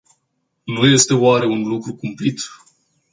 Nu este oare un lucru cumplit?